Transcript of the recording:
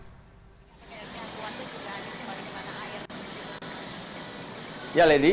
pihak keluarga juga akan kembali ke tanah air